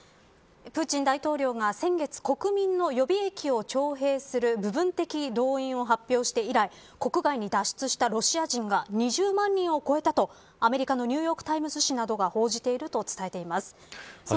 プーチン大統領が先月国民の予備役を徴兵する部分的動員を発表して以来国外脱出したロシア人が２０万人を超えたとアメリカのニューヨーク・タイムズ紙などが報じていると伝えています。